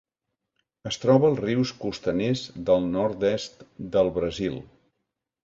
Es troba als rius costaners del nord-est del Brasil.